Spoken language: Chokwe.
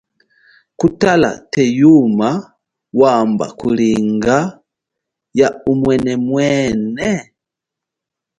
Kutala the, yuma wamba kulinga ya umwenemwene?